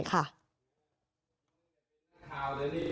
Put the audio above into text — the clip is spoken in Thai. ยังขายราคาเดิมอยู่ค่ะ